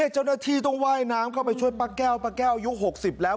เจ้าหน้าที่ต้องว่ายน้ำเข้าไปช่วยป้าแก้วป้าแก้วอายุ๖๐แล้ว